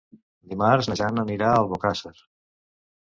Dimarts na Jana anirà a Albocàsser.